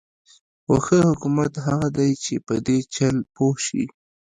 خو ښه حکومت هغه دی چې په دې چل پوه شي.